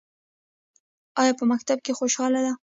ایا په مکتب کې خوشحاله دي؟